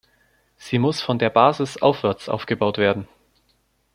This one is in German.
Sie muss von der Basis aufwärts aufgebaut werden.